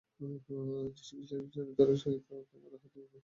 যীশুখ্রীষ্টের চরিতকথার সহিত তাঁহার জীবন বৃত্তান্তের অনেক সাদৃশ্য আছে।